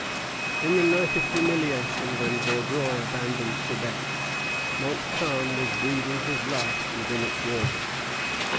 In the night of humiliation when Vaudreuil abandoned Quebec, Montcalm was breathing his last within its walls.